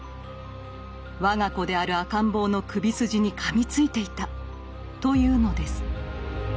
我が子である赤ん坊の首筋にかみついていたというのです。